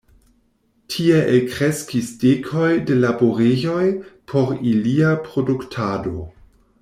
Tie elkreskis dekoj de laborejoj por ilia produktado.